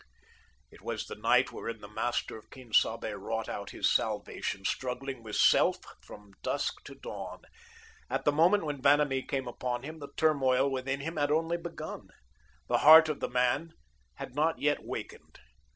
It was the night wherein the master of Quien Sabe wrought out his salvation, struggling with Self from dusk to dawn. At the moment when Vanamee came upon him, the turmoil within him had only begun. The heart of the man had not yet wakened.